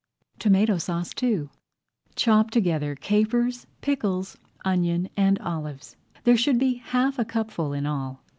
TOMATO SAUCE II Chop together capers, pickles, onion, and olives. There should be half a cupful in all.